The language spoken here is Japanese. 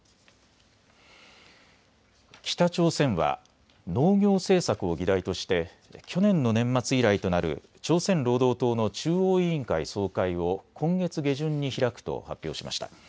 北朝鮮は農業政策を議題として去年の年末以来となる朝鮮労働党の中央委員会総会を今月下旬に開くと発表しました。